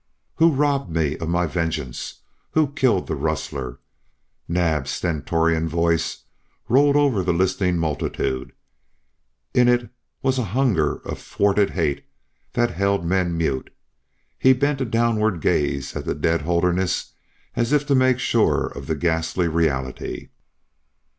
"Who robbed me of my vengeance? Who killed the rustler?" Naab's stentorian voice rolled over the listening multitude. In it was a hunger of thwarted hate that held men mute. He bent a downward gaze at the dead Holderness as if to make sure of the ghastly reality.